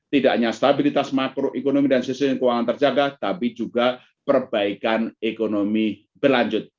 tidak hanya stabilitas makroekonomi dan sistem keuangan terjaga tapi juga perbaikan ekonomi berlanjut